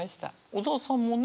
小沢さんもね。